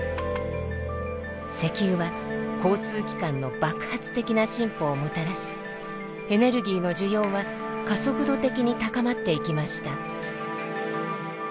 石油は交通機関の爆発的な進歩をもたらしエネルギーの需要は加速度的に高まっていきました。